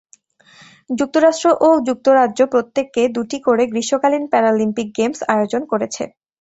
যুক্তরাষ্ট্র ও যুক্তরাজ্য প্রত্যেকে দুটি করে গ্রীষ্মকালীন প্যারালিম্পিক গেমস আয়োজন করেছে।